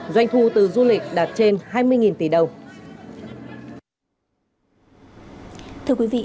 doanh thu từ du lịch đạt trên hai mươi tỷ đồng